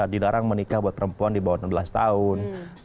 dilarang menikah buat perempuan di bawah enam belas tahun